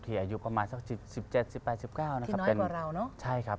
ที่อายุประมาณสัก๑๗๑๘๑๙นะครับ